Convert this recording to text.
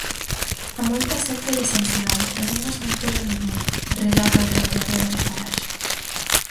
"A moitas éntralles ansiedade, algunhas non poden durmir", relata a traballadora de Faraxa.